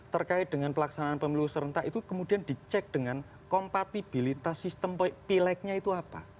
terkait dengan pelaksanaan pemilu serentak itu kemudian dicek dengan kompatibilitas sistem pileknya itu apa